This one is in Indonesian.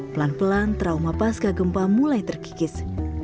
pelan pelan trauma pasca gempa mulai terkikis